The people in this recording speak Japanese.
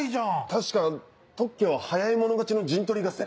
確か特許は早い者勝ちの陣取り合戦。